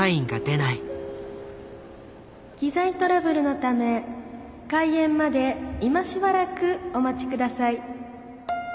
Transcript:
「機材トラブルのため開演まで今しばらくお待ち下さい」。